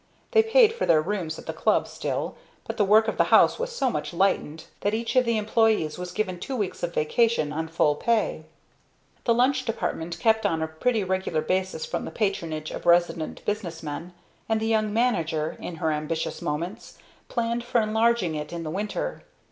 They paid for their rooms at the club still, but the work of the house was so much lightened that each of the employees was given two weeks of vacation on full pay. The lunch department kept on a pretty regular basis from the patronage of resident business men, and the young manager in her ambitious moments planned for enlarging it in the winter.